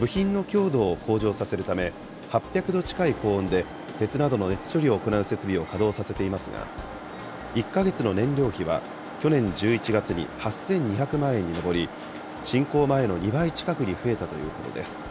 部品の強度を向上させるため、８００度近い高温で鉄などの熱処理を行う設備を稼働させていますが、１か月の燃料費は、去年１１月に８２００万円に上り、侵攻前の２倍近くに増えたということです。